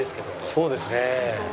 そうですね。